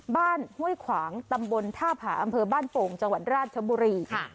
ห้วยขวางตำบลท่าผาอำเภอบ้านโป่งจังหวัดราชบุรี